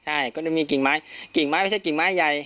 ใช่ก็จะมีกิ่งไม้กิ่งไม้ไม่ใช่กิ่งไม้ใหญ่